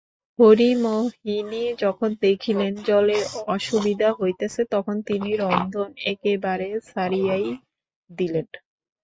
হরিমোহিনী যখন দেখিলেন জলের অসুবিধা হইতেছে তখন তিনি রন্ধন একেবারে ছাড়িয়াই দিলেন।